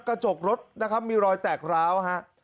กระจกรถนะครับมีรอยแตกร้าวฮะ